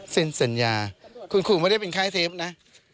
สัญญาคุณครูไม่ได้เป็นค่ายเซฟนะ